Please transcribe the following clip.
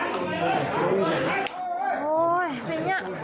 มาแล้วมาแล้วมาแล้วมาแล้วมาแล้วมาแล้วมาแล้วมาแล้วมาแล้ว